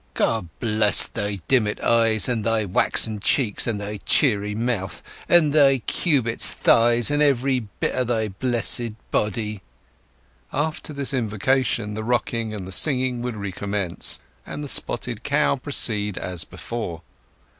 "God bless thy diment eyes! And thy waxen cheeks! And thy cherry mouth! And thy Cubit's thighs! And every bit o' thy blessed body!" After this invocation the rocking and the singing would recommence, and the "Spotted Cow" proceed as before.